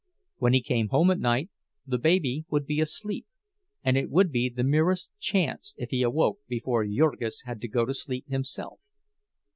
When he came home at night, the baby would be asleep, and it would be the merest chance if he awoke before Jurgis had to go to sleep himself.